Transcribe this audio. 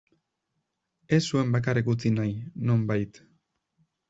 Ez zuen bakarrik utzi nahi, nonbait.